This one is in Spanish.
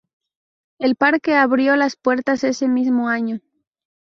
El parque abrió las puertas ese mismo año.